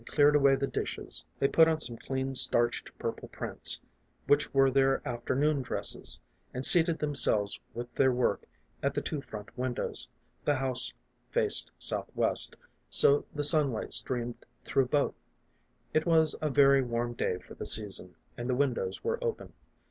cleared away the dishes, they put on some clean starched purple prints, which were their afternoon dresses, and seated them selves with their work at the two front windows ; the house faced southwest, so the sunlight streamed through both. It was a very warm day for the season, and the windows were open.